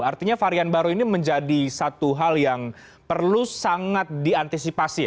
artinya varian baru ini menjadi satu hal yang perlu sangat diantisipasi